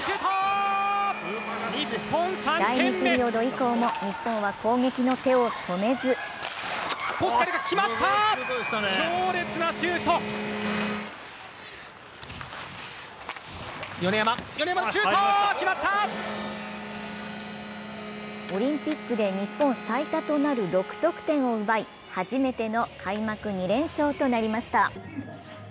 第２ピリオド以降も日本は攻撃の手を止めずオリンピックで日本最多となる６得点を奪い初めての開幕２連勝となりました。